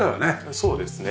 そうですね。